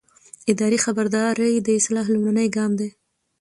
اداري خبرداری د اصلاح لومړنی ګام دی.